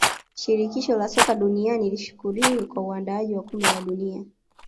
shirikisho la soka duniani lishukriwe kwa uandaaji wa kombe la dunia